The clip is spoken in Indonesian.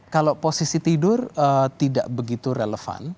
kalau posisi tidur tidak begitu relevan